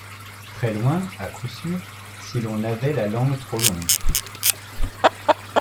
Très-loin, à coup sûr, si l’on avait la langue trop longue.